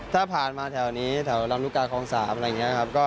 ถ้าผ่านมาแถวนี้แถวลำลูกกาคอง๓